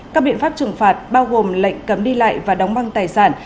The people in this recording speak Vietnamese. các biện pháp trừng phạt bao gồm lệnh cấm đi lại và đóng băng tài sản